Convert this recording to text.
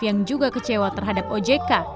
yang juga kecewa terhadap ojk